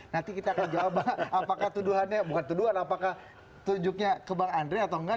nanti kita akan jawab apakah tuduhannya bukan tuduhan apakah tunjuknya ke bang andre atau enggak